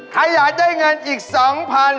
ใครอยากได้เงินอีกสองพัน